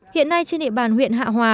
hiện nay trên địa bàn huyện hạ hòa